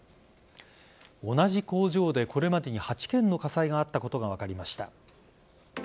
同じ工場でこれまでに８件の火災があったことが分かりました。